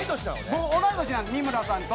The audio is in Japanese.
僕同い年なんです三村さんと。